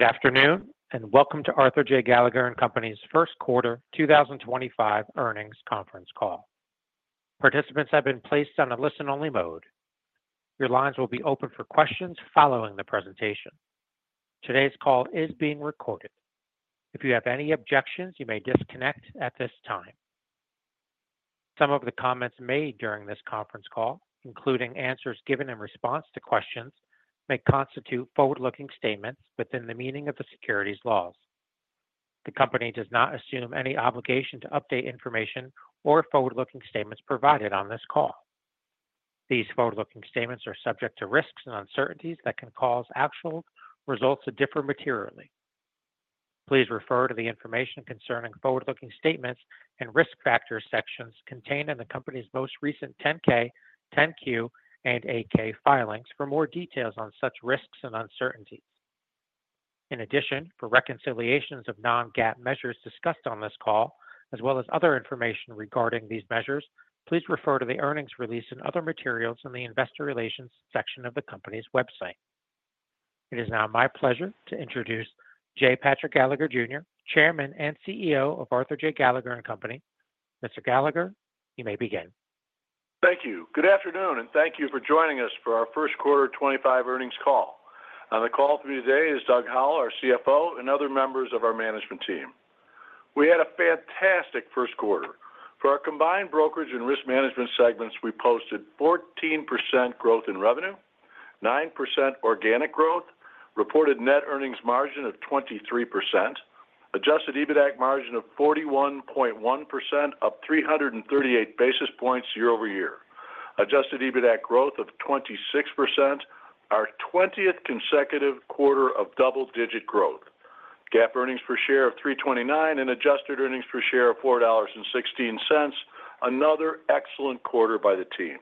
Good afternoon, and welcome to Arthur J. Gallagher & Company's first quarter 2025 earnings conference call. Participants have been placed on a listen-only mode. Your lines will be open for questions following the presentation. Today's call is being recorded. If you have any objections, you may disconnect at this time. Some of the comments made during this conference call, including answers given in response to questions, may constitute forward-looking statements within the meaning of the securities laws. The company does not assume any obligation to update information or forward-looking statements provided on this call. These forward-looking statements are subject to risks and uncertainties that can cause actual results to differ materially. Please refer to the information concerning forward-looking statements and risk factors sections contained in the company's most recent 10-K, 10-Q, and 8-K filings for more details on such risks and uncertainties. In addition, for reconciliations of non-GAAP measures discussed on this call, as well as other information regarding these measures, please refer to the earnings release and other materials in the investor relations section of the company's website. It is now my pleasure to introduce J. Patrick Gallagher Jr., Chairman and CEO of Arthur J. Gallagher & Co. Mr. Gallagher, you may begin. Thank you. Good afternoon, and thank you for joining us for our first quarter 2025 earnings call. On the call with me today is Doug Howell, our CFO, and other members of our management team. We had a fantastic first quarter. For our combined brokerage and risk management segments, we posted 14% growth in revenue, 9% organic growth, reported net earnings margin of 23%, adjusted EBITDA margin of 41.1%, up 338 basis points year-over-year, adjusted EBITDA growth of 26%, our 20th consecutive quarter of double-digit growth, GAAP earnings per share of $3.29, and adjusted earnings per share of $4.16. Another excellent quarter by the team.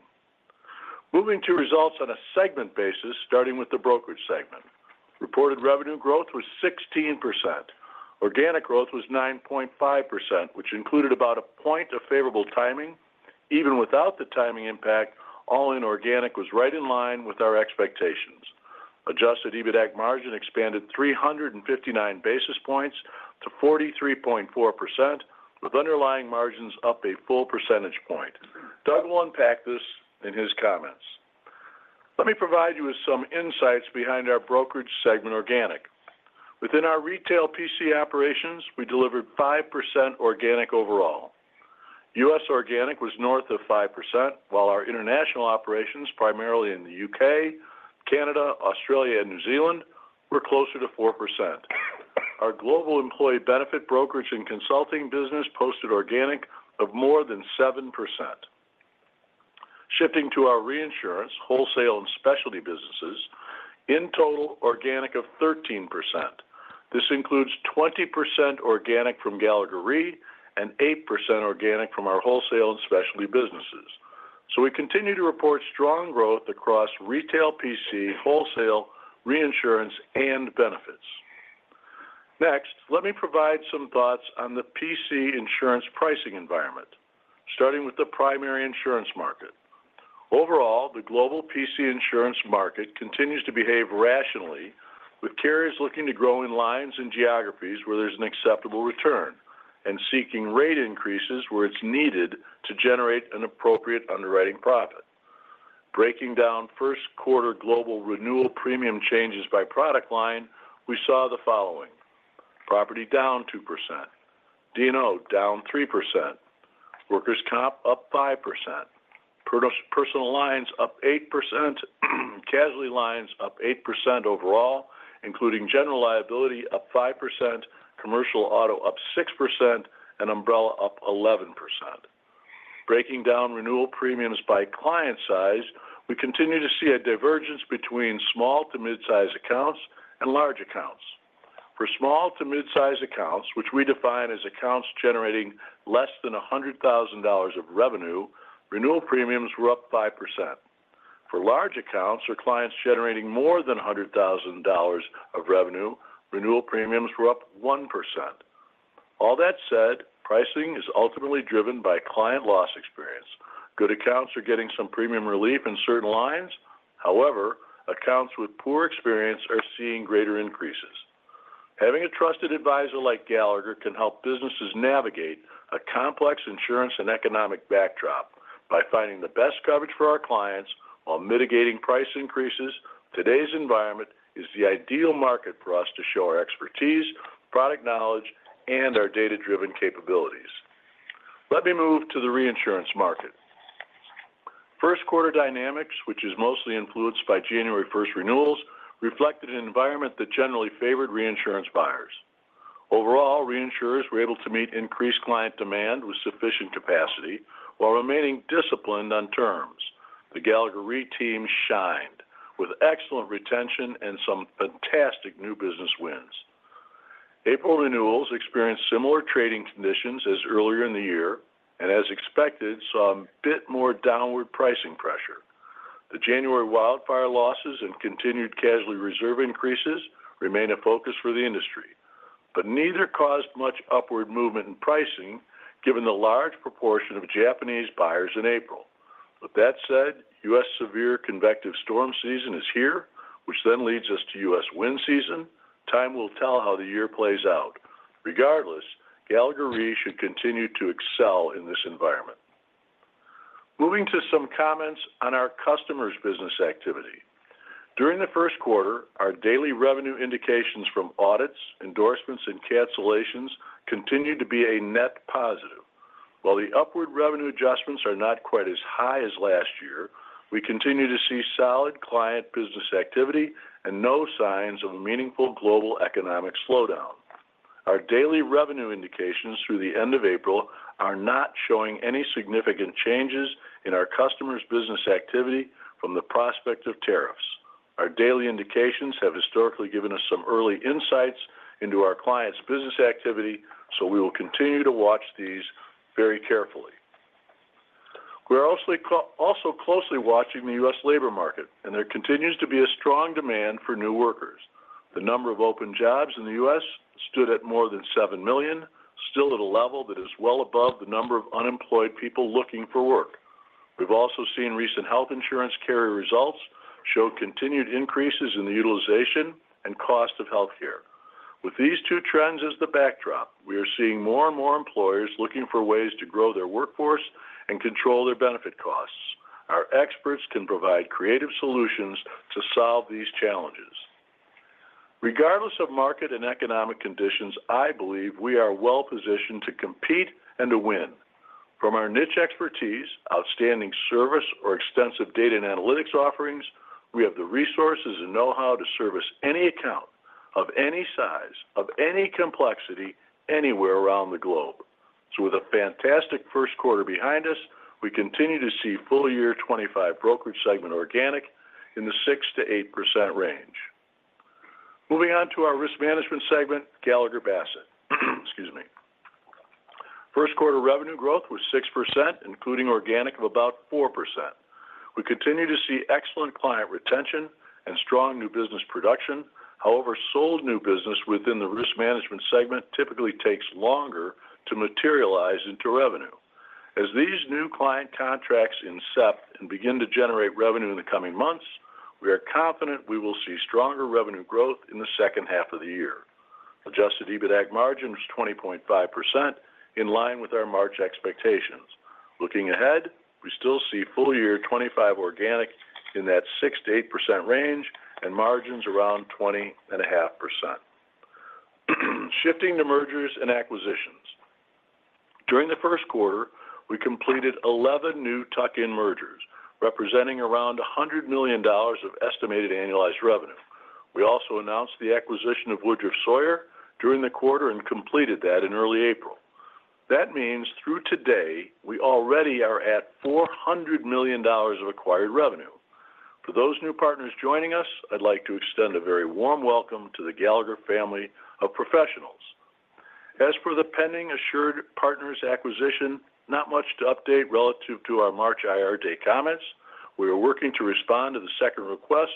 Moving to results on a segment basis, starting with the brokerage segment. Reported revenue growth was 16%. Organic growth was 9.5%, which included about a point of favorable timing. Even without the timing impact, all in organic was right in line with our expectations. Adjusted EBITDA margin expanded 359 basis points to 43.4%, with underlying margins up a full percentage point. Doug will unpack this in his comments. Let me provide you with some insights behind our brokerage segment organic. Within our retail PC operations, we delivered 5% organic overall. U.S. organic was north of 5%, while our international operations, primarily in the U.K., Canada, Australia, and New Zealand, were closer to 4%. Our global employee benefit brokerage and consulting business posted organic of more than 7%. Shifting to our reinsurance, wholesale, and specialty businesses, in total organic of 13%. This includes 20% organic from Gallagher Re and 8% organic from our wholesale and specialty businesses. We continue to report strong growth across retail PC, wholesale, reinsurance, and benefits. Next, let me provide some thoughts on the PC insurance pricing environment, starting with the primary insurance market. Overall, the global PC insurance market continues to behave rationally, with carriers looking to grow in lines and geographies where there's an acceptable return and seeking rate increases where it's needed to generate an appropriate underwriting profit. Breaking down first quarter global renewal premium changes by product line, we saw the following: property down 2%, D&O down 3%, workers' comp up 5%, personal lines up 8%, casualty lines up 8% overall, including general liability up 5%, commercial auto up 6%, and umbrella up 11%. Breaking down renewal premiums by client size, we continue to see a divergence between small to mid-size accounts and large accounts. For small to mid-size accounts, which we define as accounts generating less than $100,000 of revenue, renewal premiums were up 5%. For large accounts or clients generating more than $100,000 of revenue, renewal premiums were up 1%. All that said, pricing is ultimately driven by client loss experience. Good accounts are getting some premium relief in certain lines. However, accounts with poor experience are seeing greater increases. Having a trusted advisor like Gallagher can help businesses navigate a complex insurance and economic backdrop by finding the best coverage for our clients while mitigating price increases. Today's environment is the ideal market for us to show our expertise, product knowledge, and our data-driven capabilities. Let me move to the reinsurance market. First quarter dynamics, which is mostly influenced by January 1st renewals, reflected an environment that generally favored reinsurance buyers. Overall, reinsurers were able to meet increased client demand with sufficient capacity while remaining disciplined on terms. The Gallagher Re team shined with excellent retention and some fantastic new business wins. April renewals experienced similar trading conditions as earlier in the year and, as expected, saw a bit more downward pricing pressure. The January wildfire losses and continued casualty reserve increases remain a focus for the industry, but neither caused much upward movement in pricing given the large proportion of Japanese buyers in April. With that said, U.S. severe convective storm season is here, which then leads us to U.S. wind season. Time will tell how the year plays out. Regardless, Gallagher Re should continue to excel in this environment. Moving to some comments on our customers' business activity. During the first quarter, our daily revenue indications from audits, endorsements, and cancellations continue to be a net positive. While the upward revenue adjustments are not quite as high as last year, we continue to see solid client business activity and no signs of a meaningful global economic slowdown. Our daily revenue indications through the end of April are not showing any significant changes in our customers' business activity from the prospect of tariffs. Our daily indications have historically given us some early insights into our clients' business activity, so we will continue to watch these very carefully. We are also closely watching the U.S. labor market, and there continues to be a strong demand for new workers. The number of open jobs in the U.S. stood at more than 7 million, still at a level that is well above the number of unemployed people looking for work. We've also seen recent health insurance carrier results show continued increases in the utilization and cost of healthcare. With these two trends as the backdrop, we are seeing more and more employers looking for ways to grow their workforce and control their benefit costs. Our experts can provide creative solutions to solve these challenges. Regardless of market and economic conditions, I believe we are well-positioned to compete and to win. From our niche expertise, outstanding service or extensive data and analytics offerings, we have the resources and know-how to service any account of any size, of any complexity, anywhere around the globe. With a fantastic first quarter behind us, we continue to see full year 2025 brokerage segment organic in the 6%-8% range. Moving on to our risk management segment, Gallagher Bassett. Excuse me. First quarter revenue growth was 6%, including organic of about 4%. We continue to see excellent client retention and strong new business production. However, sold new business within the risk management segment typically takes longer to materialize into revenue. As these new client contracts incept and begin to generate revenue in the coming months, we are confident we will see stronger revenue growth in the second half of the year. Adjusted EBITDA margin is 20.5%, in line with our March expectations. Looking ahead, we still see full year 2025 organic in that 6%-8% range and margins around 20.5%. Shifting to mergers and acquisitions. During the first quarter, we completed 11 new tuck-in mergers, representing around $100 million of estimated annualized revenue. We also announced the acquisition of Woodruff Sawyer during the quarter and completed that in early April. That means through today, we already are at $400 million of acquired revenue. For those new partners joining us, I'd like to extend a very warm welcome to the Gallagher family of professionals. As for the pending AssuredPartners acquisition, not much to update relative to our March IR Day comments. We are working to respond to the second request,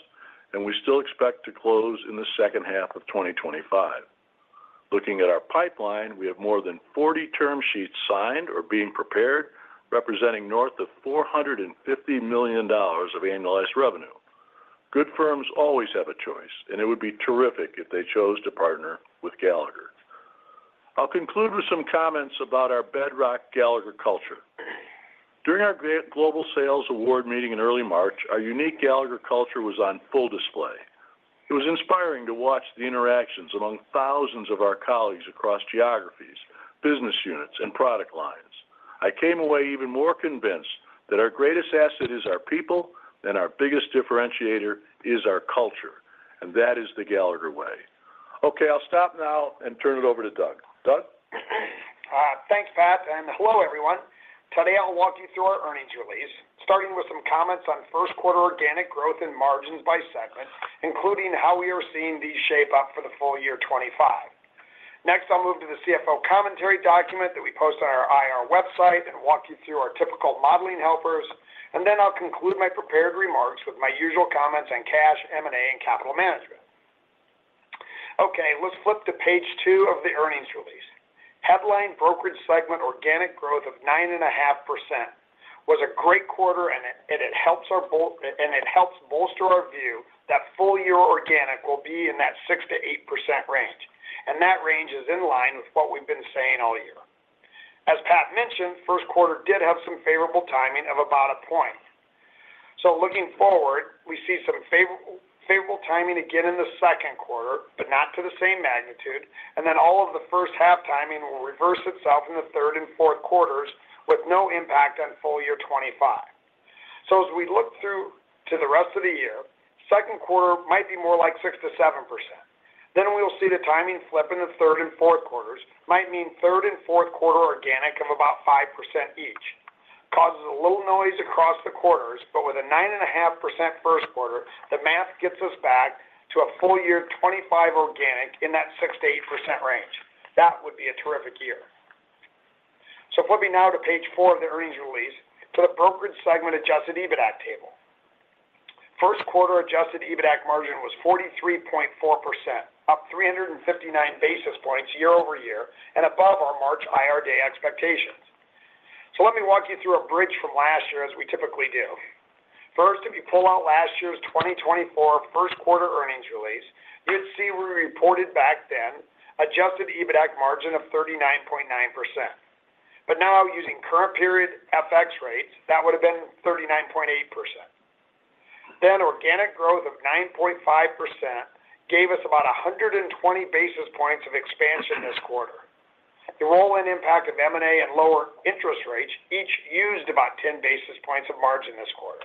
and we still expect to close in the second half of 2025. Looking at our pipeline, we have more than 40 term sheets signed or being prepared, representing north of $450 million of annualized revenue. Good firms always have a choice, and it would be terrific if they chose to partner with Gallagher. I'll conclude with some comments about our bedrock Gallagher culture. During our Global Sales Award meeting in early March, our unique Gallagher culture was on full display. It was inspiring to watch the interactions among thousands of our colleagues across geographies, business units, and product lines. I came away even more convinced that our greatest asset is our people, and our biggest differentiator is our culture, and that is the Gallagher way. Okay, I'll stop now and turn it over to Doug. Doug? Thanks, Pat. Hello, everyone. Today, I'll walk you through our earnings release, starting with some comments on first quarter organic growth and margins by segment, including how we are seeing these shape up for the full year 2025. Next, I'll move to the CFO commentary document that we post on our IR website and walk you through our typical modeling helpers. I'll conclude my prepared remarks with my usual comments on cash, M&A, and capital management. Okay, let's flip to page two of the earnings release. Headline brokerage segment organic growth of 9.5% was a great quarter, and it helps bolster our view that full year organic will be in that 6%-8% range. That range is in line with what we've been saying all year. As Pat mentioned, first quarter did have some favorable timing of about a point. Looking forward, we see some favorable timing again in the second quarter, but not to the same magnitude. All of the first half timing will reverse itself in the third and fourth quarters with no impact on full year 2025. As we look through to the rest of the year, second quarter might be more like 6%-7%. We will see the timing flip in the third and fourth quarters, which might mean third and fourth quarter organic of about 5% each. Causes a little noise across the quarters, but with a 9.5% first quarter, the math gets us back to a full year 2025 organic in that 6%-8% range. That would be a terrific year. Flipping now to page four of the earnings release for the brokerage segment adjusted EBITDA table. First quarter adjusted EBITDA margin was 43.4%, up 359 basis points year-over-year and above our March IR Day expectations. Let me walk you through a bridge from last year as we typically do. If you pull out last year's 2024 first quarter earnings release, you'd see we reported back then adjusted EBITDA margin of 39.9%. Now, using current period FX rates, that would have been 39.8%. Organic growth of 9.5% gave us about 120 basis points of expansion this quarter. The role and impact of M&A and lower interest rates each used about 10 basis points of margin this quarter.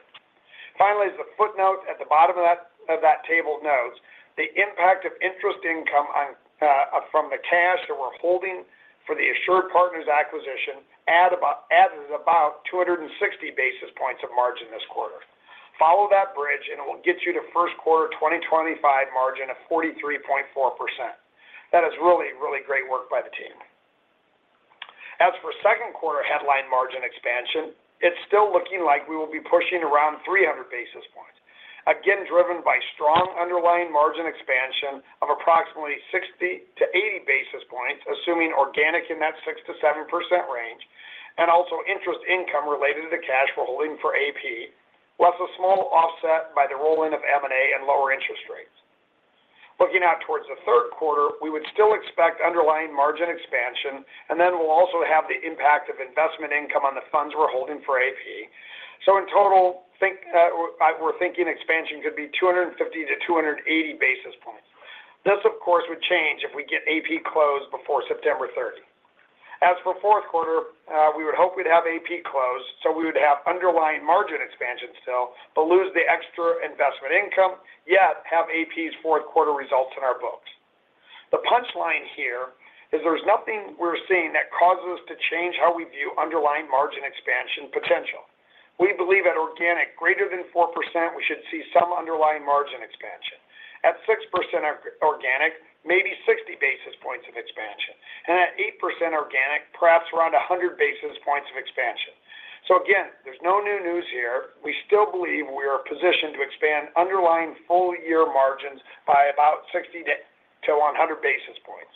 Finally, as the footnote at the bottom of that table notes, the impact of interest income from the cash that we're holding for the AssuredPartners acquisition adds about 260 basis points of margin this quarter. Follow that bridge, and it will get you to first quarter 2025 margin of 43.4%. That is really, really great work by the team. As for second quarter headline margin expansion, it's still looking like we will be pushing around 300 basis points, again driven by strong underlying margin expansion of approximately 60-80 basis points, assuming organic in that 6%-7% range, and also interest income related to the cash we're holding for AP, plus a small offset by the rolling of M&A and lower interest rates. Looking out towards the third quarter, we would still expect underlying margin expansion, and then we'll also have the impact of investment income on the funds we're holding for AP. In total, we're thinking expansion could be 250-280 basis points. This, of course, would change if we get AP closed before September 30. As for fourth quarter, we would hope we'd have AP closed, so we would have underlying margin expansion still, but lose the extra investment income, yet have AP's fourth quarter results in our books. The punchline here is there's nothing we're seeing that causes us to change how we view underlying margin expansion potential. We believe at organic greater than 4%, we should see some underlying margin expansion. At 6% organic, maybe 60 basis points of expansion. At 8% organic, perhaps around 100 basis points of expansion. There is no new news here. We still believe we are positioned to expand underlying full year margins by about 60-100 basis points.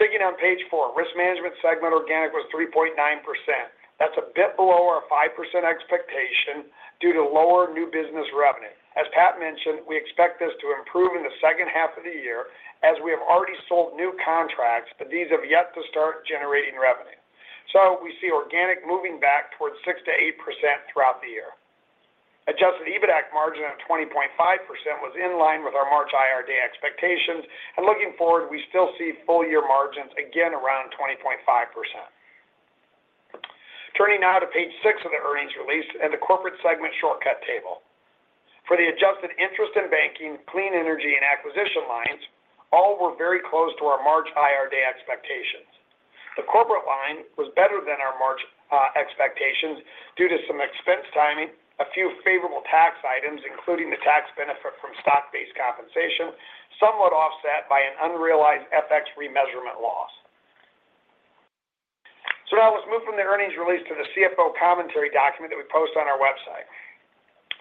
Sticking on page four, risk management segment organic was 3.9%. That's a bit below our 5% expectation due to lower new business revenue. As Pat mentioned, we expect this to improve in the second half of the year as we have already sold new contracts, but these have yet to start generating revenue. We see organic moving back towards 6%-8% throughout the year. Adjusted EBITDA margin of 20.5% was in line with our March IR Day expectations. Looking forward, we still see full year margins again around 20.5%. Turning now to page six of the earnings release and the corporate segment shortcut table. For the adjusted interest in banking, clean energy, and acquisition lines, all were very close to our March IR Day expectations. The corporate line was better than our March expectations due to some expense timing, a few favorable tax items, including the tax benefit from stock-based compensation, somewhat offset by an unrealized FX remeasurement loss. Now let's move from the earnings release to the CFO commentary document that we post on our website.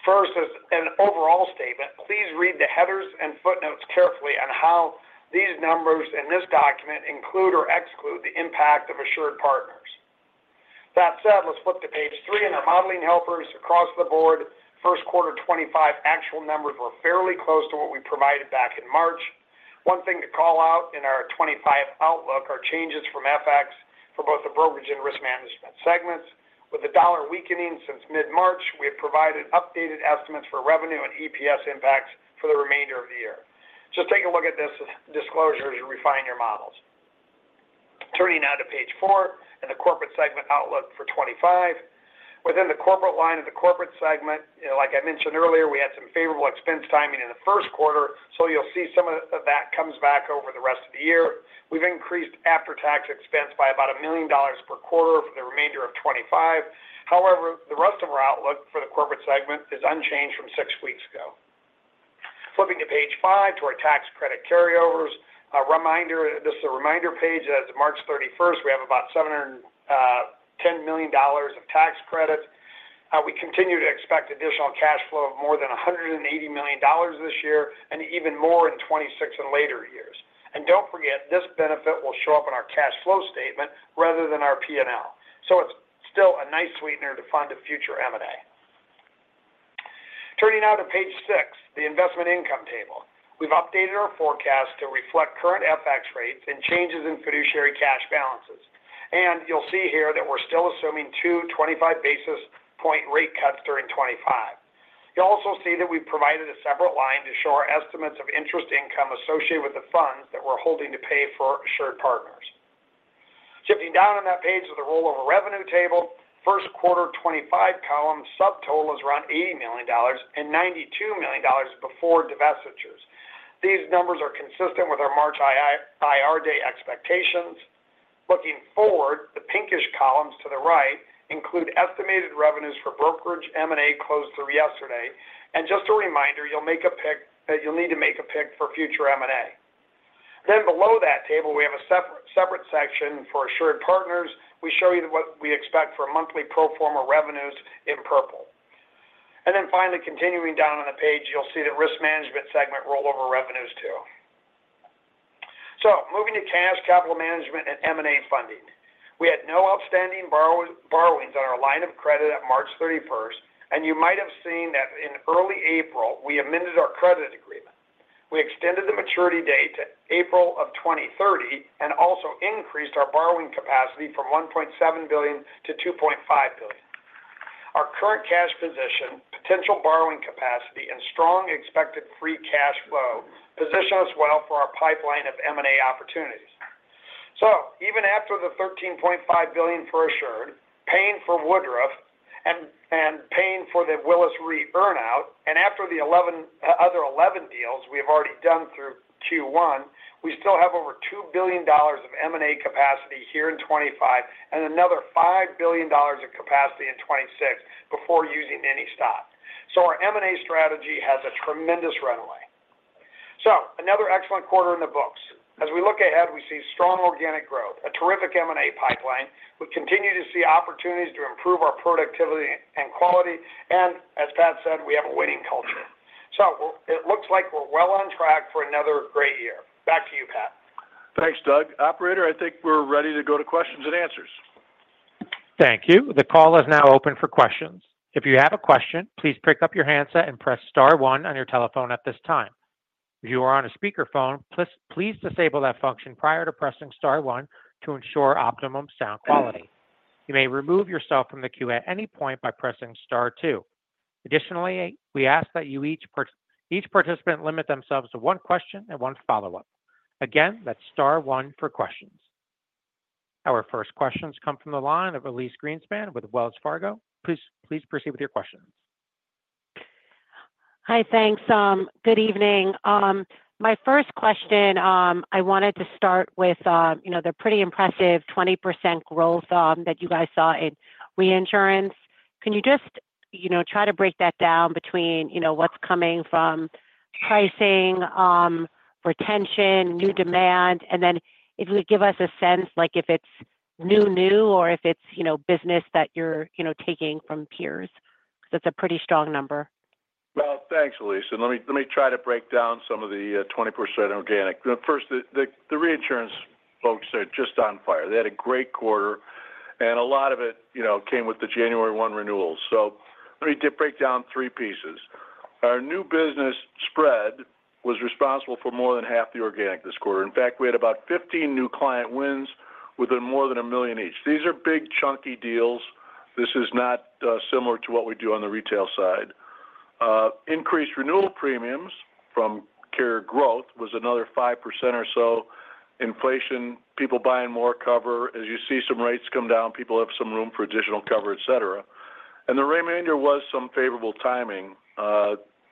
First, as an overall statement, please read the headers and footnotes carefully on how these numbers in this document include or exclude the impact of AssuredPartners. That said, let's flip to page three and our modeling helpers across the board. First quarter 2025 actual numbers were fairly close to what we provided back in March. One thing to call out in our 2025 outlook are changes from FX for both the brokerage and risk management segments. With the dollar weakening since mid-March, we have provided updated estimates for revenue and EPS impacts for the remainder of the year. Just take a look at this disclosure as you refine your models. Turning now to page four and the corporate segment outlook for 2025. Within the corporate line of the corporate segment, like I mentioned earlier, we had some favorable expense timing in the first quarter, so you'll see some of that comes back over the rest of the year. We've increased after-tax expense by about $1 million per quarter for the remainder of 2025. However, the rest of our outlook for the corporate segment is unchanged from six weeks ago. Flipping to page five to our tax credit carryovers. This is a reminder page that as of March 31st, we have about $710 million of tax credits. We continue to expect additional cash flow of more than $180 million this year and even more in 2026 and later years. Do not forget, this benefit will show up in our cash flow statement rather than our P&L. It is still a nice sweetener to fund a future M&A. Turning now to page six, the investment income table. We've updated our forecast to reflect current FX rates and changes in fiduciary cash balances. You'll see here that we're still assuming two 25 basis point rate cuts during 2025. You'll also see that we've provided a separate line to show our estimates of interest income associated with the funds that we're holding to pay for AssuredPartners. Shifting down on that page of the rollover revenue table, first quarter 2025 column subtotal is around $80 million and $92 million before divestitures. These numbers are consistent with our March IR Day expectations. Looking forward, the pinkish columns to the right include estimated revenues for brokerage M&A closed through yesterday. Just a reminder, you'll need to make a pick for future M&A. Below that table, we have a separate section for AssuredPartners. We show you what we expect for monthly pro forma revenues in purple. Finally, continuing down on the page, you'll see the risk management segment rollover revenues too. Moving to cash capital management and M&A funding, we had no outstanding borrowings on our line of credit at March 31st, and you might have seen that in early April, we amended our credit agreement. We extended the maturity date to April of 2030 and also increased our borrowing capacity from $1.7 billion to $2.5 billion. Our current cash position, potential borrowing capacity, and strong expected free cash flow position us well for our pipeline of M&A opportunities. Even after the $13.5 billion for AssuredPartners, paying for Woodruff Sawyer and paying for the Willis Re earnout, and after the other 11 deals we have already done through Q1, we still have over $2 billion of M&A capacity here in 2025 and another $5 billion of capacity in 2026 before using any stock. Our M&A strategy has a tremendous runway. Another excellent quarter in the books. As we look ahead, we see strong organic growth, a terrific M&A pipeline. We continue to see opportunities to improve our productivity and quality. As Pat said, we have a winning culture. It looks like we're well on track for another great year. Back to you, Pat. Thanks, Doug. Operator, I think we're ready to go to questions and answers. Thank you. The call is now open for questions. If you have a question, please pick up your handset and press star one on your telephone at this time. If you are on a speakerphone, please disable that function prior to pressing star one to ensure optimum sound quality. You may remove yourself from the queue at any point by pressing star two. Additionally, we ask that each participant limit themselves to one question and one follow-up. Again, that's star one for questions. Our first questions come from the line of Elyse Greenspan with Wells Fargo. Please proceed with your questions. Hi, thanks. Good evening. My first question, I wanted to start with, you know, the pretty impressive 20% growth that you guys saw in reinsurance. Can you just, you know, try to break that down between, you know, what's coming from pricing, retention, new demand, and then if you would give us a sense, like if it's new, new, or if it's, you know, business that you're, you know, taking from peers. That's a pretty strong number. Thanks, Elyse. Let me try to break down some of the 20% organic. First, the reinsurance folks are just on fire. They had a great quarter, and a lot of it, you know, came with the January one renewals. Let me break down three pieces. Our new business spread was responsible for more than half the organic this quarter. In fact, we had about 15 new client wins within more than $1 million each. These are big chunky deals. This is not similar to what we do on the retail side. Increased renewal premiums from carrier growth was another 5% or so. Inflation, people buying more cover. As you see some rates come down, people have some room for additional cover, et cetera. The remainder was some favorable timing.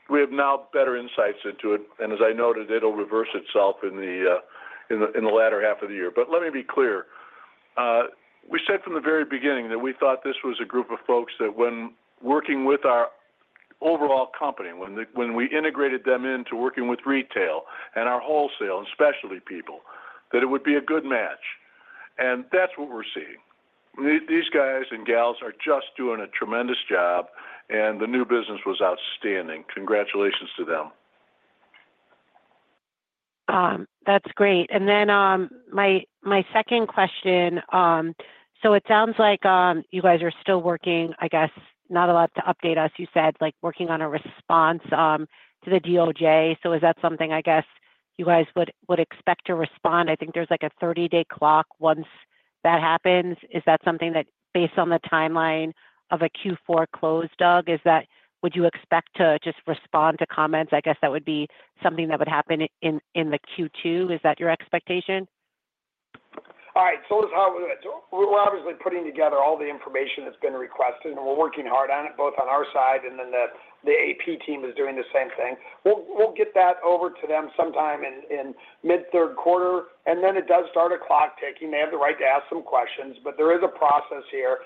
We have now better insights into it. As I noted, it'll reverse itself in the latter half of the year. Let me be clear. We said from the very beginning that we thought this was a group of folks that when working with our overall company, when we integrated them into working with retail and our wholesale and specialty people, that it would be a good match. That's what we're seeing. These guys and gals are just doing a tremendous job, and the new business was outstanding. Congratulations to them. That's great. My second question, it sounds like you guys are still working, I guess, not a lot to update us, you said, like working on a response to the DOJ. Is that something, I guess, you guys would expect to respond? I think there's like a 30-day clock once that happens. Is that something that, based on the timeline of a Q4 close, Doug, is that would you expect to just respond to comments? I guess that would be something that would happen in the Q2. Is that your expectation? All right. We're obviously putting together all the information that's been requested, and we're working hard on it, both on our side and then the AP team is doing the same thing. We'll get that over to them sometime in mid-third quarter. It does start a clock ticking. They have the right to ask some questions, but there is a process here,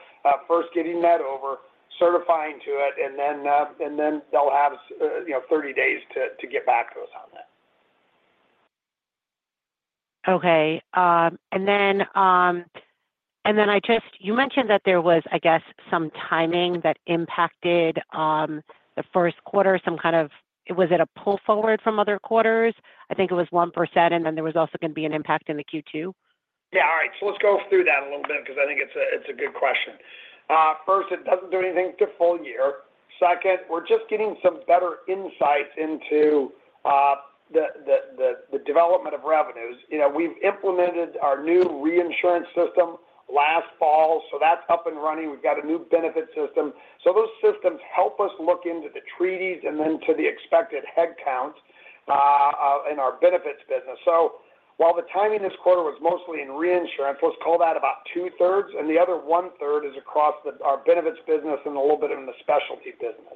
first getting that over, certifying to it, and then they'll have, you know, 30 days to get back to us on that. Okay. I just, you mentioned that there was, I guess, some timing that impacted the first quarter, some kind of, was it a pull forward from other quarters? I think it was 1%, and then there was also going to be an impact in the Q2. Yeah. All right. So let's go through that a little bit because I think it's a good question. First, it doesn't do anything to full year. Second, we're just getting some better insights into the development of revenues. You know, we've implemented our new reinsurance system last fall, so that's up and running. We've got a new benefit system. Those systems help us look into the treaties and then to the expected headcount in our benefits business. While the timing this quarter was mostly in reinsurance, let's call that about two-thirds, and the other one-third is across our benefits business and a little bit in the specialty business.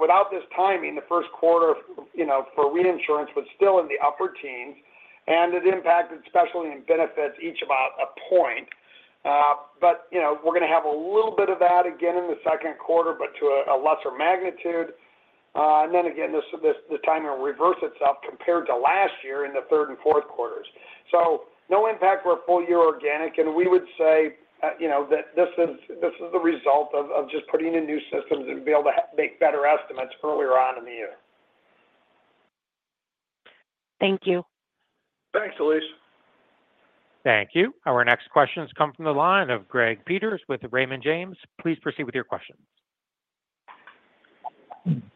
Without this timing, the first quarter, you know, for reinsurance was still in the upper teens, and it impacted specialty and benefits each about a point. You know, we're going to have a little bit of that again in the second quarter, but to a lesser magnitude. Then again, the timing reversed itself compared to last year in the third and fourth quarters. No impact for a full year organic, and we would say, you know, that this is the result of just putting in new systems and being able to make better estimates earlier on in the year. Thank you. Thanks, Elyse. Thank you. Our next questions come from the line of Greg Peters with Raymond James. Please proceed with your questions.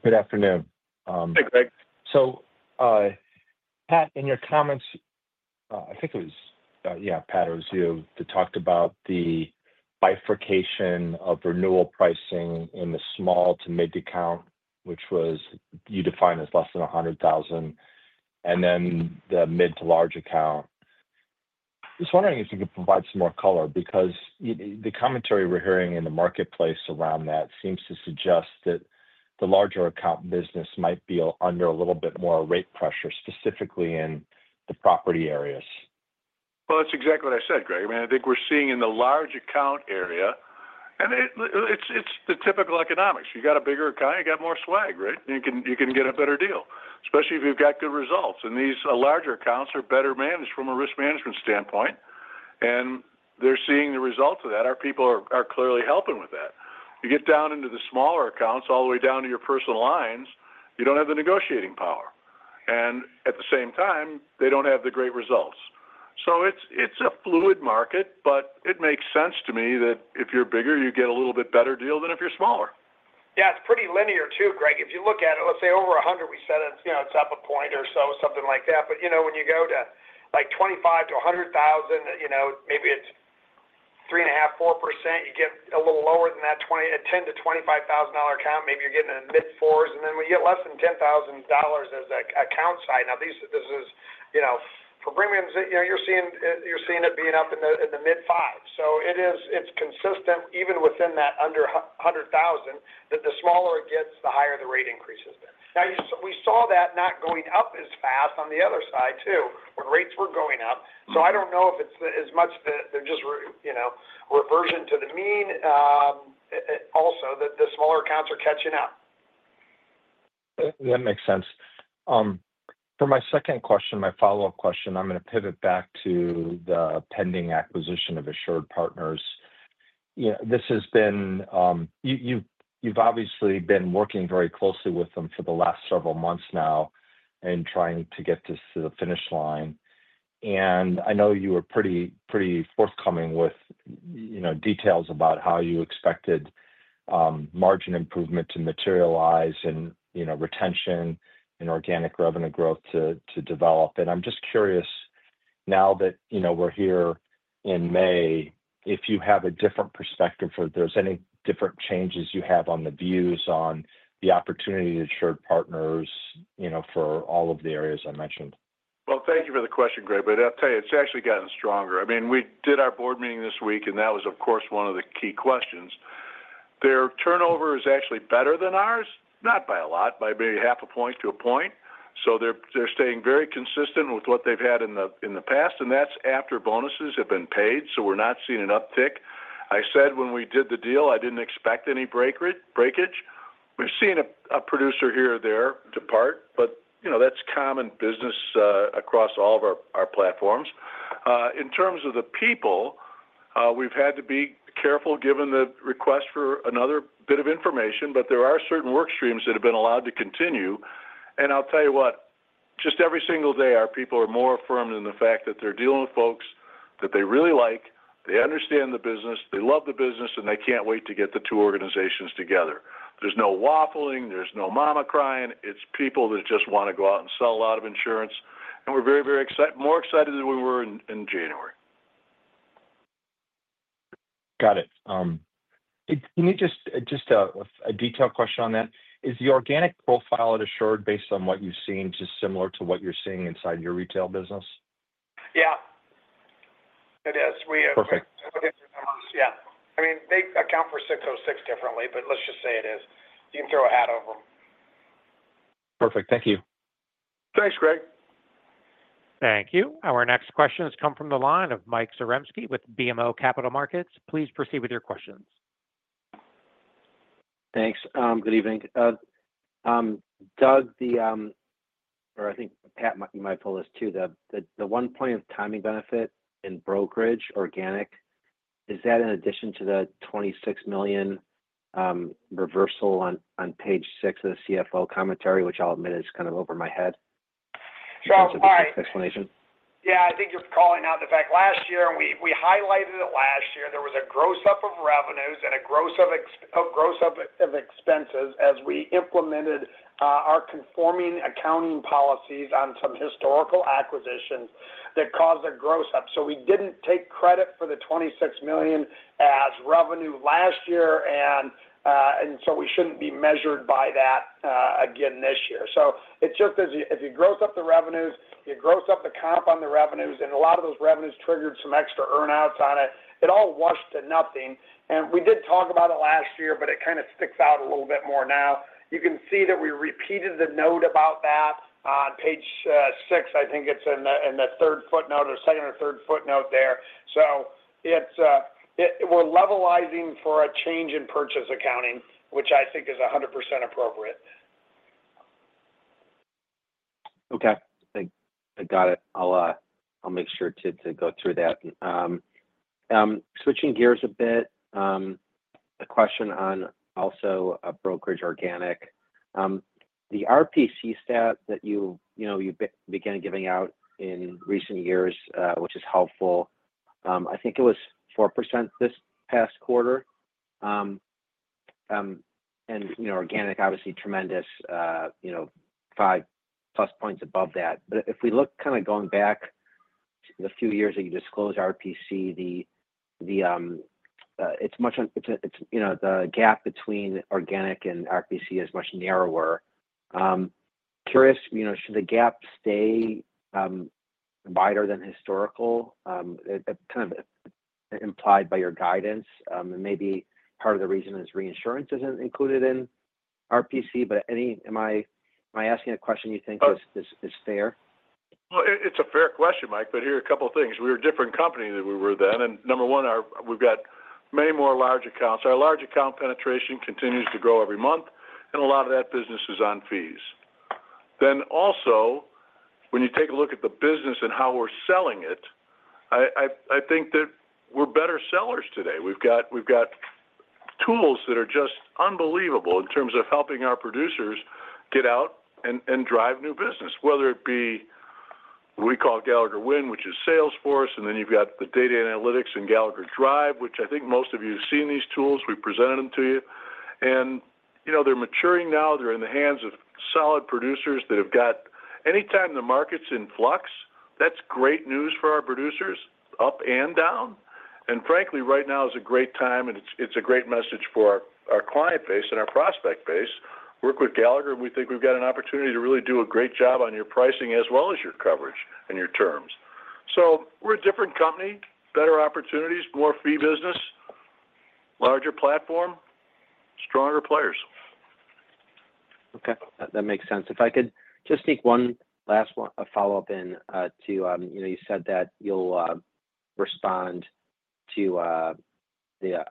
Good afternoon. Hey, Greg. Pat, in your comments, I think it was, yeah, Pat, it was you that talked about the bifurcation of renewal pricing in the small to mid-account, which was you defined as less than $100,000, and then the mid to large account. Just wondering if you could provide some more color because the commentary we're hearing in the marketplace around that seems to suggest that the larger account business might be under a little bit more rate pressure, specifically in the property areas. That's exactly what I said, Greg. I mean, I think we're seeing in the large account area, and it's the typical economics. You got a bigger account, you got more swag, right? You can get a better deal, especially if you've got good results. And these larger accounts are better managed from a risk management standpoint, and they're seeing the results of that. Our people are clearly helping with that. You get down into the smaller accounts, all the way down to your personal lines, you don't have the negotiating power. At the same time, they don't have the great results. It is a fluid market, but it makes sense to me that if you're bigger, you get a little bit better deal than if you're smaller. Yeah, it's pretty linear too, Greg. If you look at it, let's say over 100, we said it's up a point or so, something like that. You know, when you go to like $25,000-$100,000, maybe it's 3.5%-4%. You get a little lower than that, $10,000-$25,000 account, maybe you're getting in the mid-fours, and then we get less than $10,000 as an account size. Now, this is, you know, for premiums, you're seeing it being up in the mid-fives. It is, it's consistent even within that under $100,000 that the smaller it gets, the higher the rate increases. We saw that not going up as fast on the other side too when rates were going up. I don't know if it's as much the, you know, reversion to the mean also that the smaller accounts are catching up. That makes sense. For my second question, my follow-up question, I'm going to pivot back to the pending acquisition of AssuredPartners. You know, this has been, you've obviously been working very closely with them for the last several months now and trying to get this to the finish line. I know you were pretty forthcoming with, you know, details about how you expected margin improvement to materialize and, you know, retention and organic revenue growth to develop. I'm just curious now that, you know, we're here in May, if you have a different perspective if there's any different changes you have on the views on the opportunity to AssuredPartners, you know, for all of the areas I mentioned. Thank you for the question, Greg. I'll tell you, it's actually gotten stronger. I mean, we did our board meeting this week, and that was, of course, one of the key questions. Their turnover is actually better than ours, not by a lot, by maybe half a point to a point. They are staying very consistent with what they've had in the past, and that's after bonuses have been paid, so we're not seeing an uptick. I said when we did the deal, I didn't expect any breakage. We've seen a producer here or there depart, but, you know, that's common business across all of our platforms. In terms of the people, we've had to be careful given the request for another bit of information, but there are certain work streams that have been allowed to continue. I'll tell you what, just every single day, our people are more affirmed in the fact that they're dealing with folks that they really like, they understand the business, they love the business, and they can't wait to get the two organizations together. There's no waffling, there's no mama crying. It's people that just want to go out and sell a lot of insurance. We're very, very excited, more excited than we were in January. Got it. Can you just, just a detailed question on that? Is the organic profile at AssuredPartners based on what you've seen just similar to what you're seeing inside your retail business? Yeah. It is. We have looked at the numbers. Perfect. Yeah. I mean, they account for 606 differently, but let's just say it is. You can throw a hat over them. Perfect. Thank you. Thanks, Greg. Thank you. Our next questions come from the line of Mike Zaremski with BMO Capital Markets. Please proceed with your questions. Thanks. Good evening. Doug, the, or I think Pat might pull this too, the one-point timing benefit in brokerage organic, is that in addition to the $26 million reversal on page six of the CFO commentary, which I'll admit is kind of over my head? Sure. I'll add it. Explanation. Yeah. I think you're calling out the fact last year, and we highlighted it last year. There was a gross up of revenues and a gross of expenses as we implemented our conforming accounting policies on some historical acquisitions that caused a gross up. We didn't take credit for the $26 million as revenue last year, and we shouldn't be measured by that again this year. It's just as if you gross up the revenues, you gross up the comp on the revenues, and a lot of those revenues triggered some extra earnouts on it. It all washed to nothing. We did talk about it last year, but it kind of sticks out a little bit more now. You can see that we repeated the note about that on page six. I think it's in the third footnote or second or third footnote there. We're levelizing for a change in purchase accounting, which I think is 100% appropriate. Okay. I got it. I'll make sure to go through that. Switching gears a bit, a question on also brokerage organic. The RPC stat that you, you know, you began giving out in recent years, which is helpful. I think it was 4% this past quarter. And, you know, organic, obviously tremendous, you know, five-plus points above that. If we look kind of going back a few years that you disclosed RPC, the, the, it's much, it's, you know, the gap between organic and RPC is much narrower. Curious, you know, should the gap stay wider than historical? Kind of implied by your guidance, and maybe part of the reason is reinsurance isn't included in RPC, but any, am I, am I asking a question you think is fair? It's a fair question, Mike, but here are a couple of things. We were a different company than we were then. Number one, we've got many more large accounts. Our large account penetration continues to grow every month, and a lot of that business is on fees. Also, when you take a look at the business and how we're selling it, I think that we're better sellers today. We've got tools that are just unbelievable in terms of helping our producers get out and drive new business, whether it be what we call Gallagher Win, which is Salesforce, and you've got the data analytics and Gallagher Drive, which I think most of you have seen these tools. We've presented them to you. You know, they're maturing now. They're in the hands of solid producers that have got anytime the market's in flux, that's great news for our producers up and down. Frankly, right now is a great time, and it's a great message for our client base and our prospect base. Work with Gallagher, and we think we've got an opportunity to really do a great job on your pricing as well as your coverage and your terms. We're a different company, better opportunities, more fee business, larger platform, stronger players. Okay. That makes sense. If I could just take one last follow-up in to, you know, you said that you'll respond to the,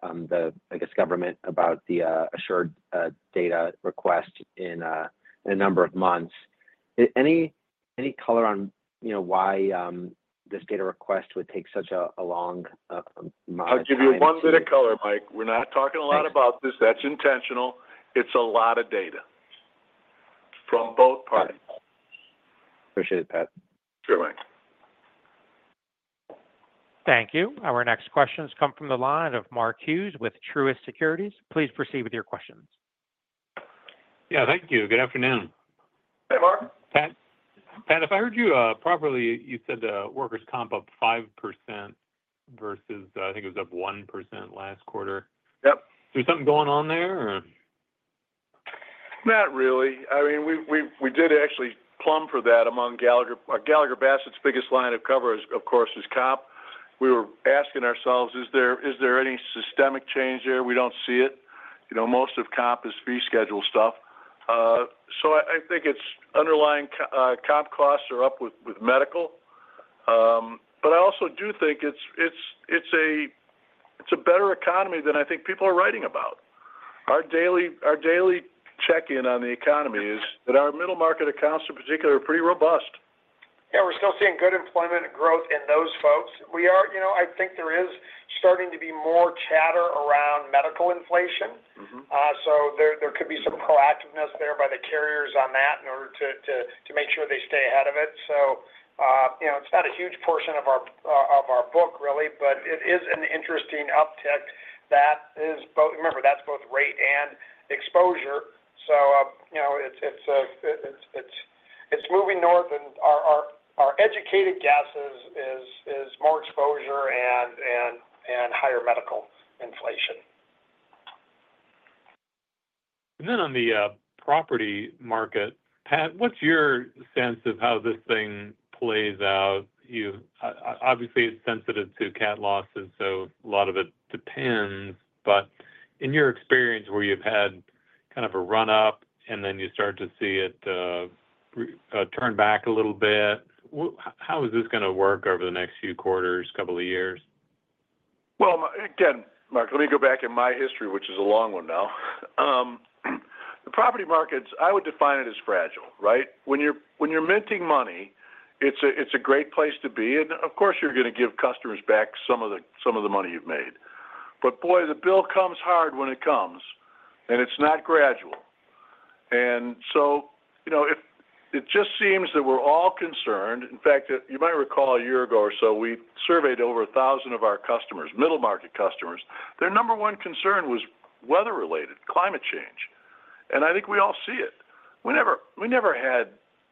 I guess, government about the AssuredPartners data request in a number of months. Any color on, you know, why this data request would take such a long time? I'll give you one bit of color, Mike. We're not talking a lot about this. That's intentional. It's a lot of data from both parties. Appreciate it, Pat. Sure, Mike. Thank you. Our next questions come from the line of Mark Hughes with Truist Securities. Please proceed with your questions. Yeah. Thank you. Good afternoon. Hey, Mark. Pat, if I heard you properly, you said workers' comp up 5% versus I think it was up 1% last quarter. Yep. There's something going on there, or? Not really. I mean, we did actually plum for that among Gallagher. Gallagher Bassett's biggest line of cover, of course, is comp. We were asking ourselves, is there any systemic change there? We don't see it. You know, most of comp is fee schedule stuff. So I think its underlying comp costs are up with medical. But I also do think it's a better economy than I think people are writing about. Our daily check-in on the economy is that our middle market accounts in particular are pretty robust. Yeah. We're still seeing good employment growth in those folks. We are, you know, I think there is starting to be more chatter around medical inflation. There could be some proactiveness there by the carriers on that in order to make sure they stay ahead of it. You know, it's not a huge portion of our book, really, but it is an interesting uptick that is both, remember, that's both rate and exposure. You know, it's moving north, and our educated guess is more exposure and higher medical inflation. On the property market, Pat, what's your sense of how this thing plays out? Obviously, it's sensitive to cat losses, so a lot of it depends. In your experience, where you've had kind of a run-up and then you start to see it turn back a little bit, how is this going to work over the next few quarters, couple of years? Again, Mark, let me go back in my history, which is a long one now. The property markets, I would define it as fragile, right? When you're minting money, it's a great place to be. Of course, you're going to give customers back some of the money you've made. Boy, the bill comes hard when it comes, and it's not gradual. You know, it just seems that we're all concerned. In fact, you might recall a year ago or so, we surveyed over 1,000 of our customers, middle market customers. Their number one concern was weather-related, climate change. I think we all see it. We never had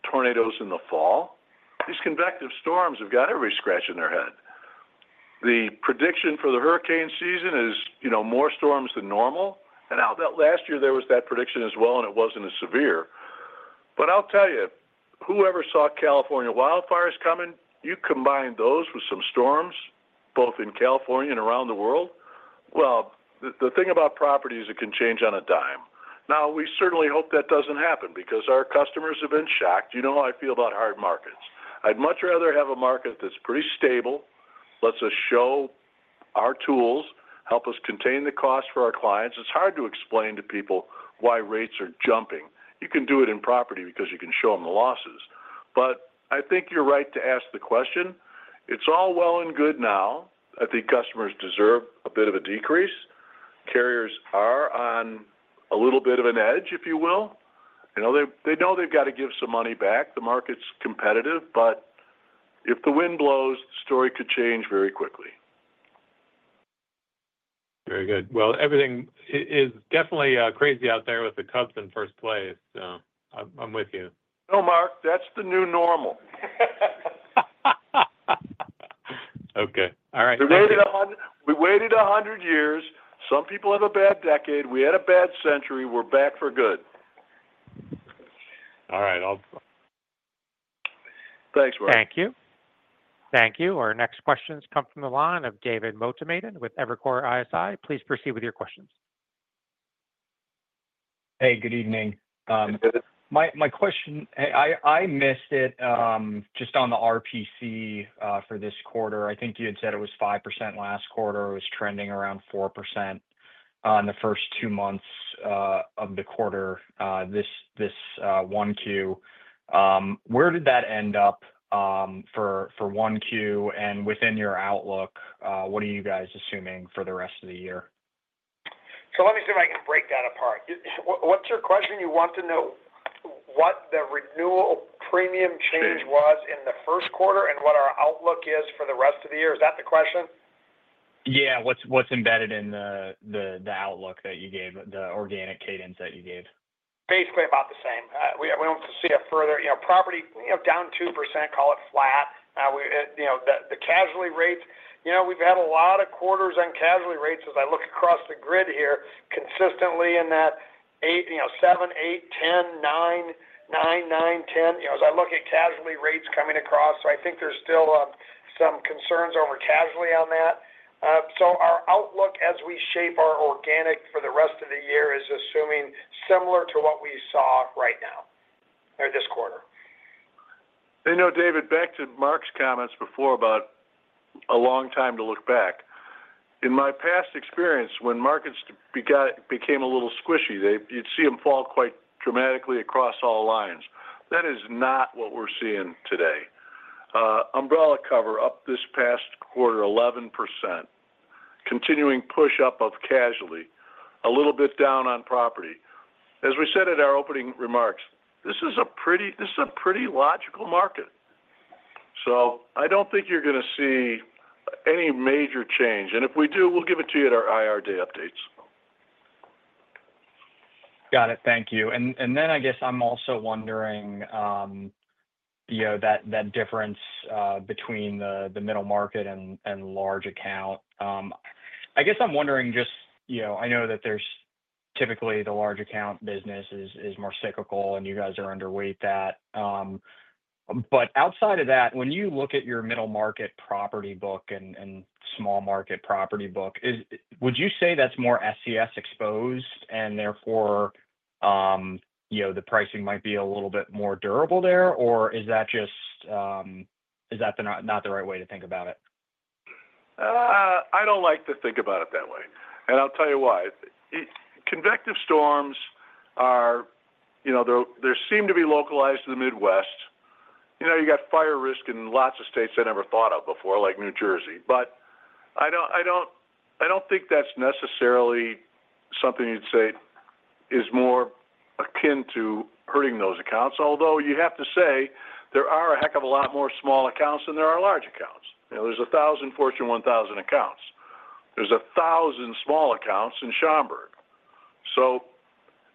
tornadoes in the fall. These convective storms have got everybody scratching their head. The prediction for the hurricane season is, you know, more storms than normal. Last year, there was that prediction as well, and it wasn't as severe. I'll tell you, whoever saw California wildfires coming, you combine those with some storms both in California and around the world, the thing about property is it can change on a dime. We certainly hope that doesn't happen because our customers have been shocked. You know how I feel about hard markets. I'd much rather have a market that's pretty stable, lets us show our tools, help us contain the cost for our clients. It's hard to explain to people why rates are jumping. You can do it in property because you can show them the losses. I think you're right to ask the question. It's all well and good now. I think customers deserve a bit of a decrease. Carriers are on a little bit of an edge, if you will. You know, they know they've got to give some money back. The market's competitive, but if the wind blows, the story could change very quickly. Very good. Everything is definitely crazy out there with the Cubs in first place. I'm with you. No, Mark. That's the new normal. Okay. All right. We waited 100 years. Some people have a bad decade. We had a bad century. We're back for good. All right. Thanks, Mark. Thank you. Thank you. Our next questions come from the line of David Motemaden with Evercore ISI. Please proceed with your questions. Hey, good evening. Hey, David. My question, I missed it just on the RPC for this quarter. I think you had said it was 5% last quarter. It was trending around 4% in the first two months of the quarter, this 1Q. Where did that end up for 1Q? And within your outlook, what are you guys assuming for the rest of the year? Let me see if I can break that apart. What's your question? You want to know what the renewal premium change was in the first quarter and what our outlook is for the rest of the year? Is that the question? Yeah. What's embedded in the outlook that you gave, the organic cadence that you gave? Basically about the same. We don't see a further, you know, property, you know, down 2%, call it flat. You know, the casualty rates, you know, we've had a lot of quarters on casualty rates as I look across the grid here consistently in that 7, 8, 10, 9, 9, 9, 10, you know, as I look at casualty rates coming across. I think there's still some concerns over casualty on that. Our outlook as we shape our organic for the rest of the year is assuming similar to what we saw right now or this quarter. You know, David, back to Mark's comments before about a long time to look back. In my past experience, when markets became a little squishy, you'd see them fall quite dramatically across all lines. That is not what we're seeing today. Umbrella cover up this past quarter, 11%. Continuing push-up of casualty, a little bit down on property. As we said at our opening remarks, this is a pretty logical market. I don't think you're going to see any major change. If we do, we'll give it to you at our IR day updates. Got it. Thank you. I guess I'm also wondering, you know, that difference between the middle market and large account. I guess I'm wondering just, you know, I know that there's typically the large account business is more cyclical, and you guys are underweight that. Outside of that, when you look at your middle market property book and small market property book, would you say that's more SES exposed and therefore, you know, the pricing might be a little bit more durable there? Or is that just, is that not the right way to think about it? I don't like to think about it that way. I'll tell you why. Convective storms are, you know, they seem to be localized to the Midwest. You know, you got fire risk in lots of states I never thought of before, like New Jersey. I don't think that's necessarily something you'd say is more akin to hurting those accounts. Although you have to say there are a heck of a lot more small accounts than there are large accounts. You know, there's 1,000 Fortune 1000 accounts. There's 1,000 small accounts in Schaumburg.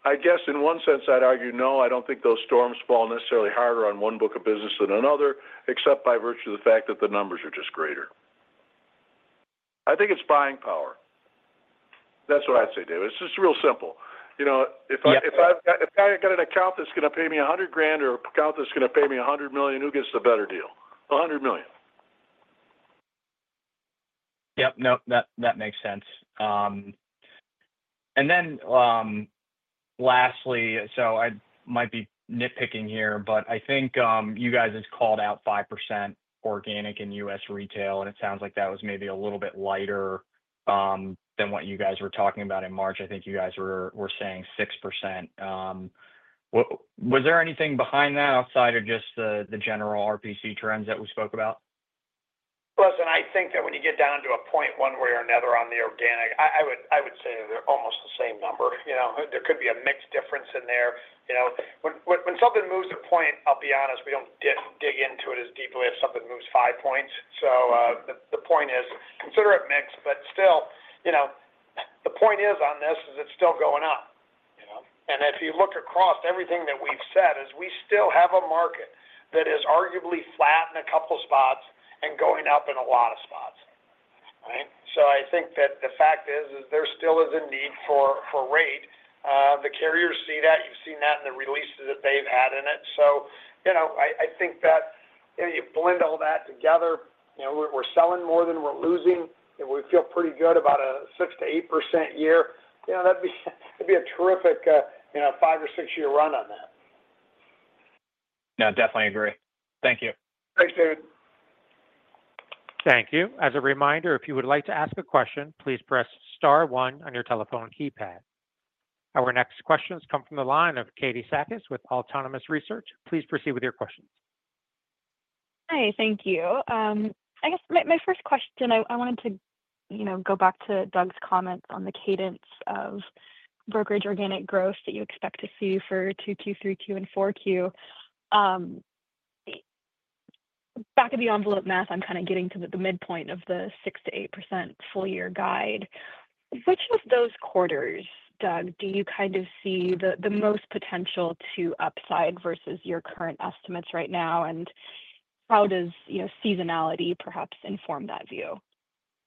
I guess in one sense, I'd argue, no, I don't think those storms fall necessarily harder on one book of business than another, except by virtue of the fact that the numbers are just greater. I think it's buying power. That's what I'd say, David. It's just real simple. You know, if I've got an account that's going to pay me $100,000 or an account that's going to pay me $100 million, who gets the better deal? $100 million. Yep. No, that makes sense. Lastly, I might be nitpicking here, but I think you guys had called out 5% organic in U.S. retail, and it sounds like that was maybe a little bit lighter than what you guys were talking about in March. I think you guys were saying 6%. Was there anything behind that outside of just the general RPC trends that we spoke about? Listen, I think that when you get down to a point one way or another on the organic, I would say they're almost the same number. You know, there could be a mixed difference in there. You know, when something moves a point, I'll be honest, we don't dig into it as deeply if something moves five points. The point is consider it mixed, but still, you know, the point is on this is it's still going up. You know, and if you look across everything that we've said, we still have a market that is arguably flat in a couple of spots and going up in a lot of spots, right? I think that the fact is there still is a need for rate. The carriers see that. You've seen that in the releases that they've had in it. You know, I think that you blend all that together. You know, we're selling more than we're losing. If we feel pretty good about a 6%-8% year, you know, that'd be a terrific, you know, five or six-year run on that. No, definitely agree. Thank you. Thanks, David. Thank you. As a reminder, if you would like to ask a question, please press star one on your telephone keypad. Our next questions come from the line of Katie Sakys with Autonomous Research. Please proceed with your questions. Hi. Thank you. I guess my first question, I wanted to, you know, go back to Doug's comments on the cadence of brokerage organic growth that you expect to see for 2Q, 3Q, and 4Q. Back of the envelope math, I'm kind of getting to the midpoint of the 6%-8% full-year guide. Which of those quarters, Doug, do you kind of see the most potential to upside versus your current estimates right now? And how does, you know, seasonality perhaps inform that view?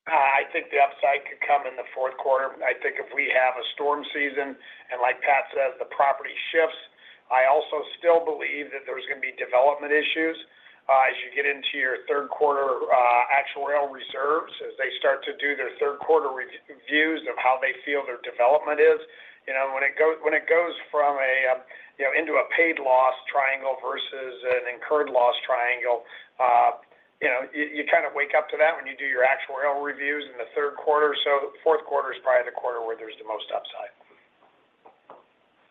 I think the upside could come in the fourth quarter. I think if we have a storm season and, like Pat says, the property shifts, I also still believe that there's going to be development issues as you get into your third quarter actual reserves as they start to do their third quarter reviews of how they feel their development is. You know, when it goes from a, you know, into a paid loss triangle versus an incurred loss triangle, you know, you kind of wake up to that when you do your actual reviews in the third quarter. Fourth quarter is probably the quarter where there's the most upside.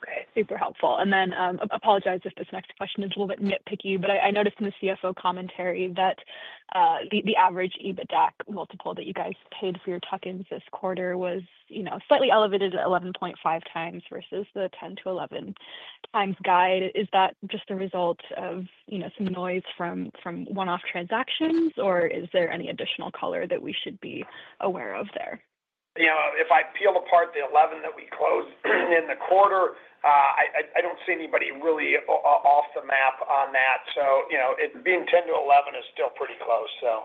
Okay. Super helpful. I apologize if this next question is a little bit nitpicky, but I noticed in the CFO commentary that the average EBITDA multiple that you guys paid for your tuck-ins this quarter was, you know, slightly elevated at 11.5x versus the 10x-11x guide. Is that just a result of, you know, some noise from one-off transactions, or is there any additional color that we should be aware of there? You know, if I peel apart the 11x that we closed in the quarter, I do not see anybody really off the map on that. You know, being 10x-11x is still pretty close, so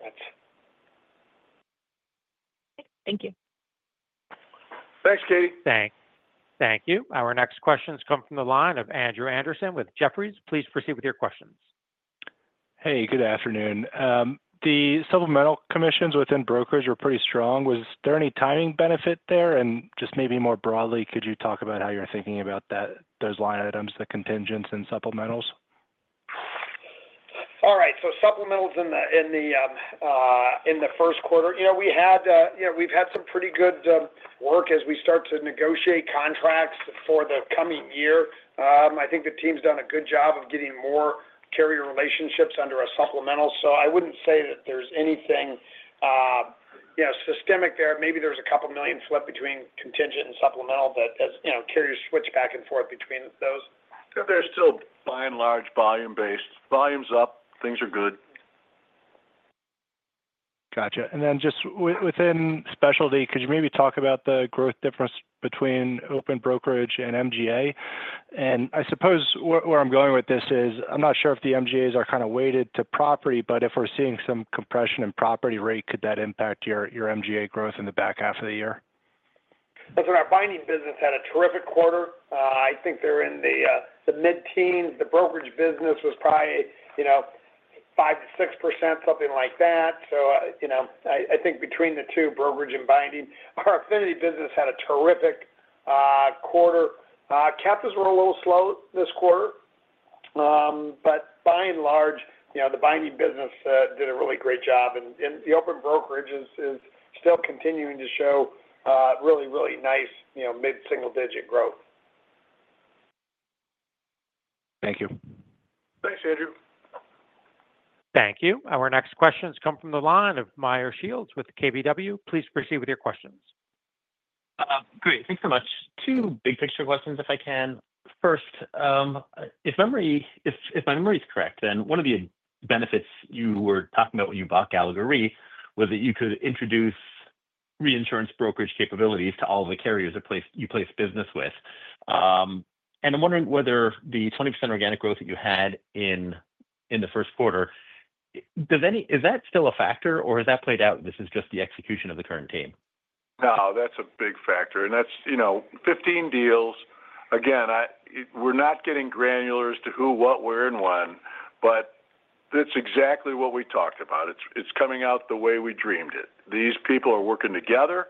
that is. Thank you. Thanks, Katie. Thanks. Thank you. Our next questions come from the line of Andrew Andersen with Jefferies. Please proceed with your questions. Hey, good afternoon. The supplemental commissions within brokers were pretty strong. Was there any timing benefit there? Just maybe more broadly, could you talk about how you're thinking about those line items, the contingents and supplementals? All right. So supplementals in the first quarter, you know, we had, you know, we've had some pretty good work as we start to negotiate contracts for the coming year. I think the team's done a good job of getting more carrier relationships under a supplemental. So I wouldn't say that there's anything, you know, systemic there. Maybe there's a couple million flip between contingent and supplemental that, you know, carriers switch back and forth between those. They're still by and large volume-based. Volume's up. Things are good. Gotcha. Just within specialty, could you maybe talk about the growth difference between open brokerage and MGA? I suppose where I'm going with this is I'm not sure if the MGAs are kind of weighted to property, but if we're seeing some compression in property rate, could that impact your MGA growth in the back half of the year? Listen, our binding business had a terrific quarter. I think they're in the mid-teens. The brokerage business was probably, you know, 5%-6%, something like that. You know, I think between the two, brokerage and binding, our affinity business had a terrific quarter. Caps were a little slow this quarter, but by and large, you know, the binding business did a really great job. The open brokerage is still continuing to show really, really nice, you know, mid-single-digit growth. Thank you. Thanks, Andrew. Thank you. Our next questions come from the line of Meyer Shields with KBW. Please proceed with your questions. Great. Thanks so much. Two big picture questions, if I can. First, if my memory is correct, then one of the benefits you were talking about when you bought Gallagher Re was that you could introduce reinsurance brokerage capabilities to all the carriers that you place business with. I'm wondering whether the 20% organic growth that you had in the first quarter, is that still a factor, or has that played out? This is just the execution of the current team? No, that's a big factor. And that's, you know, 15 deals. Again, we're not getting granular as to who, what, where, and when, but it's exactly what we talked about. It's coming out the way we dreamed it. These people are working together.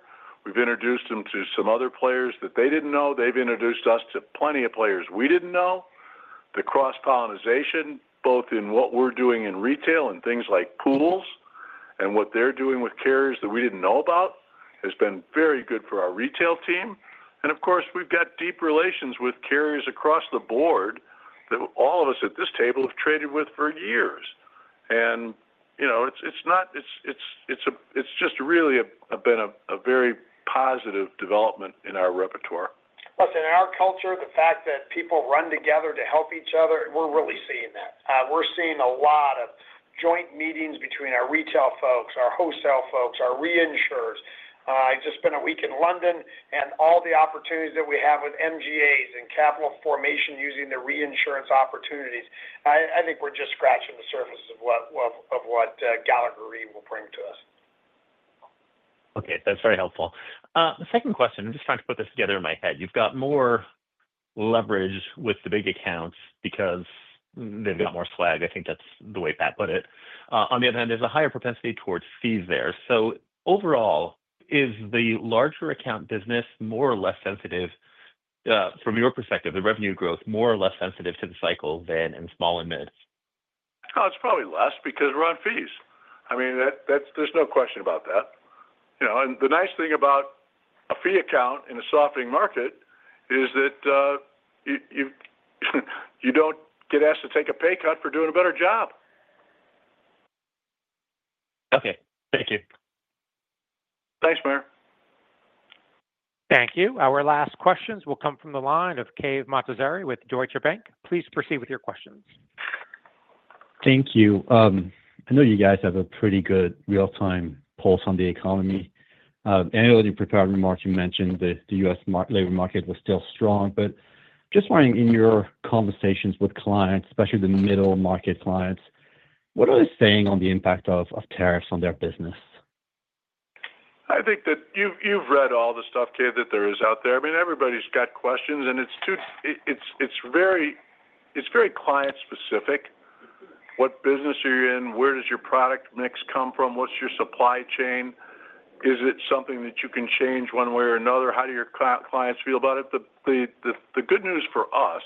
We've introduced them to some other players that they didn't know. They've introduced us to plenty of players we didn't know. The cross-pollinization, both in what we're doing in retail and things like pools and what they're doing with carriers that we didn't know about, has been very good for our retail team. Of course, we've got deep relations with carriers across the board that all of us at this table have traded with for years. You know, it's not, it's just really been a very positive development in our repertoire. Listen, in our culture, the fact that people run together to help each other, we're really seeing that. We're seeing a lot of joint meetings between our retail folks, our wholesale folks, our reinsurers. I just spent a week in London, and all the opportunities that we have with MGAs and capital formation using the reinsurance opportunities, I think we're just scratching the surface of what Gallagher Re will bring to us. Okay. That's very helpful. Second question. I'm just trying to put this together in my head. You've got more leverage with the big accounts because they've got more swag. I think that's the way Pat put it. On the other hand, there's a higher propensity towards fees there. Overall, is the larger account business more or less sensitive, from your perspective, the revenue growth, more or less sensitive to the cycle than in small and mid? It's probably less because we're on fees. I mean, there's no question about that. You know, and the nice thing about a fee account in a softening market is that you don't get asked to take a pay cut for doing a better job. Okay. Thank you. Thanks, Meyer. Thank you. Our last questions will come from the line of Cave Montazeri with Deutsche Bank. Please proceed with your questions. Thank you. I know you guys have a pretty good real-time pulse on the economy. In your prepared remarks, you mentioned that the U.S. labor market was still strong. Just wondering, in your conversations with clients, especially the middle market clients, what are they saying on the impact of tariffs on their business? I think that you've read all the stuff, Kavan, that there is out there. I mean, everybody's got questions, and it's very client-specific. What business are you in? Where does your product mix come from? What's your supply chain? Is it something that you can change one way or another? How do your clients feel about it? The good news for us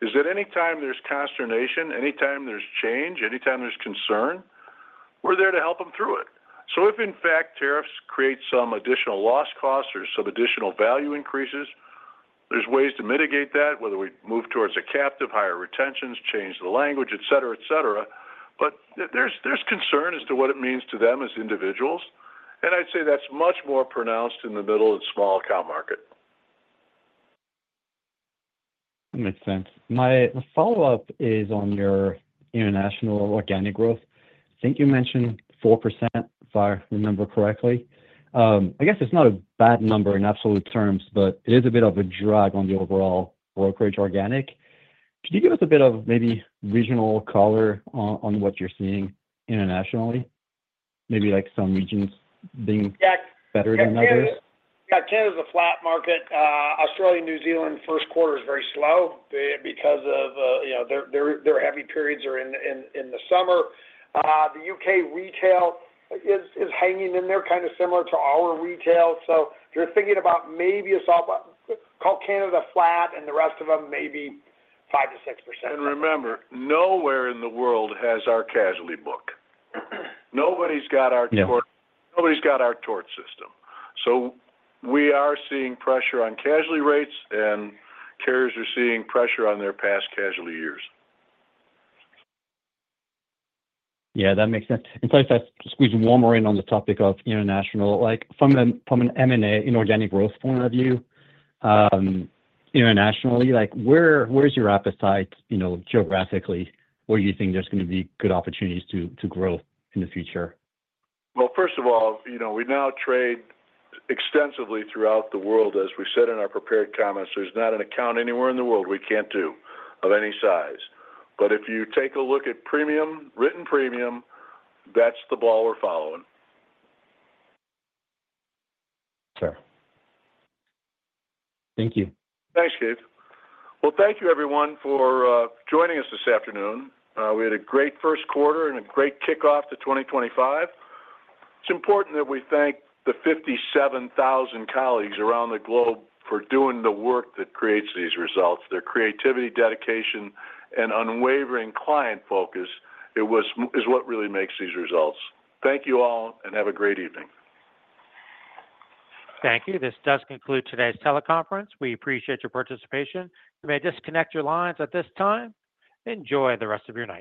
is that anytime there's consternation, anytime there's change, anytime there's concern, we're there to help them through it. If, in fact, tariffs create some additional loss costs or some additional value increases, there's ways to mitigate that, whether we move towards a captive, higher retentions, change the language, et cetera, et cetera. There's concern as to what it means to them as individuals. I'd say that's much more pronounced in the middle and small account market. Makes sense. My follow-up is on your international organic growth. I think you mentioned 4%, if I remember correctly. I guess it's not a bad number in absolute terms, but it is a bit of a drag on the overall brokerage organic. Could you give us a bit of maybe regional color on what you're seeing internationally, maybe like some regions being better than others? Yeah. Canada is a flat market. Australia, New Zealand, first quarter is very slow because of, you know, their heavy periods are in the summer. The U.K. retail is hanging in there kind of similar to our retail. If you're thinking about maybe a soft call, Canada flat and the rest of them maybe 5%-6%. Remember, nowhere in the world has our casualty book. Nobody's got our tort system. We are seeing pressure on casualty rates, and carriers are seeing pressure on their past casualty years. Yeah, that makes sense. I just want to squeeze one more in on the topic of international. From an M&A and organic growth point of view, internationally, where's your appetite, you know, geographically? Where do you think there's going to be good opportunities to grow in the future? First of all, you know, we now trade extensively throughout the world. As we said in our prepared comments, there's not an account anywhere in the world we can't do of any size. If you take a look at premium, written premium, that's the ball we're following. Sure. Thank you. Thanks, Kate. Thank you, everyone, for joining us this afternoon. We had a great first quarter and a great kickoff to 2025. It's important that we thank the 57,000 colleagues around the globe for doing the work that creates these results. Their creativity, dedication, and unwavering client focus is what really makes these results. Thank you all, and have a great evening. Thank you. This does conclude today's teleconference. We appreciate your participation. You may disconnect your lines at this time. Enjoy the rest of your night.